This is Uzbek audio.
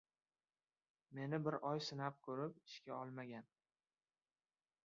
Meni bir oy sinab ko‘rib, ishga olmagan!